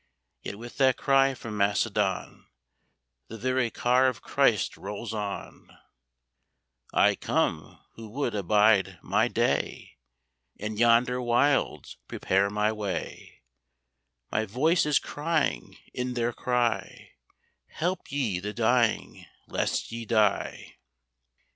Yet with that cry from Macedon The very car of CHRIST rolls on: "I come; who would abide My day, In yonder wilds prepare My way; My voice is crying in their cry, Help ye the dying, lest ye die."